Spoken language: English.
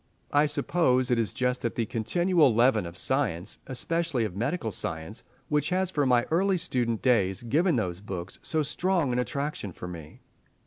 I suppose it is just that continual leaven of science, especially of medical science, which has from my early student days given those books so strong an attraction for me.